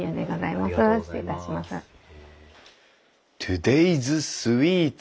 トゥデイズスイーツ。